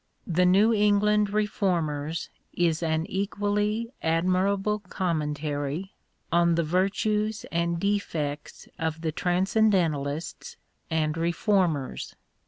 " The New England Reformers " is an equally admirable commentary on the virtues and defects of the transcendentalists and reformers.